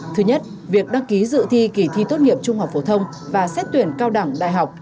thứ nhất việc đăng ký dự thi kỳ thi tốt nghiệp trung học phổ thông và xét tuyển cao đẳng đại học